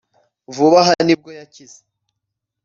Vuba aha ni bwo yakize